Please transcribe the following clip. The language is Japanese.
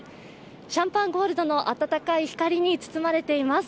シャンパンゴールドの暖かい光に包まれています。